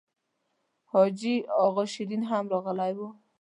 حاجي اغا شېرین هم راغلی و.